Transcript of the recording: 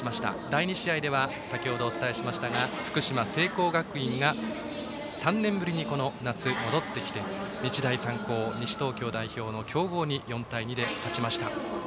第２試合では先程お伝えしましたが福島・聖光学院が３年ぶりに夏、戻ってきて日大三高、西東京代表の強豪に勝ちました。